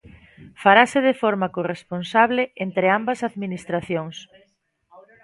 Farase de forma corresponsable entre ambas administracións.